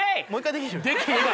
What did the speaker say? できへんわ！